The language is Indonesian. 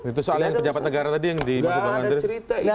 itu soalnya pejabat negara tadi yang dimaksudkan